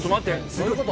どういうこと？